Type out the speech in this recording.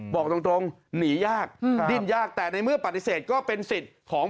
บอกตรงหนียากดิ้นยากแต่ในเมื่อปฏิเสธก็เป็นสิทธิ์ของ